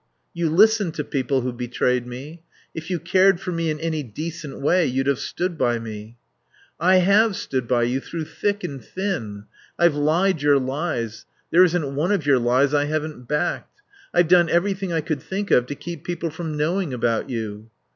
"You listened to people who betrayed me. If you cared for me in any decent way you'd have stood by me." "I have stood by you through thick and thin. I've lied your lies. There isn't one of your lies I haven't backed. I've done everything I could think of to keep people from knowing about you."